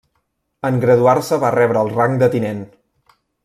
En graduar-se va rebre el rang de tinent.